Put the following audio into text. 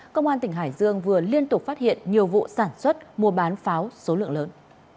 công an tỉnh hải dương vừa liên tục phát hiện nhiều vụ sản xuất mua bán pháo số lượng lớn